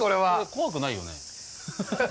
怖くないよね。